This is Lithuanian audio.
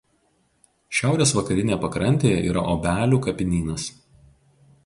Šiaurės vakarinėje pakrantėje yra Obelių kapinynas.